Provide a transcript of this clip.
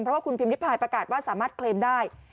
เพราะว่าคุณพิมพิพายประกาศว่าสามารถเคลมได้